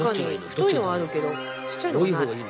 太いのはあるけどちっちゃいのはない。